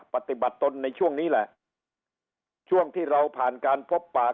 ปฏิบัติตนในช่วงนี้แหละช่วงที่เราผ่านการพบปาก